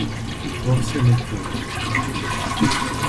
Forse mezz'ora.